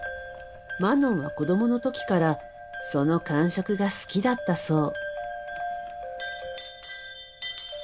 マノンは子どもの時からその感触が好きだったそう。